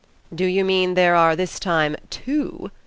"Do you mean there are this time two?"